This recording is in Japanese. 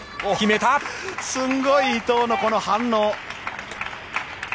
すごい、伊藤のこの反応！